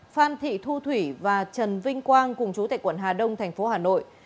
phan thị thu thủy và trần vinh quang cùng chủ tài quận hà đông tp hà nội